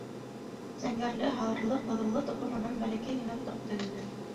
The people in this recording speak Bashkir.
Зәңгәрле, һарылы, ҡыҙыллы туҡыманан бәләкәй генә тоҡ тегегеҙ.